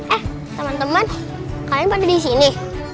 eh temen temen kalian pada di sini